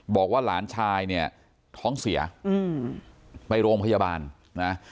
บอกว่าหลานชายเนี่ยท้องเสียอืมไปโรงพยาบาลนะ